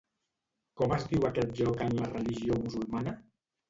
Com es diu aquest lloc en la religió musulmana?